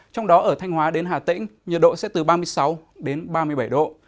trong đó ở thanh hóa đến hà tĩnh nhiệt độ sẽ từ ba mươi sáu đến ba mươi bảy độ